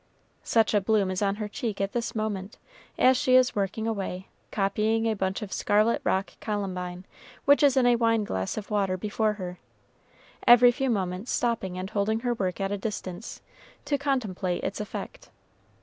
Such a bloom is on her cheek at this moment, as she is working away, copying a bunch of scarlet rock columbine which is in a wine glass of water before her; every few moments stopping and holding her work at a distance, to contemplate its effect.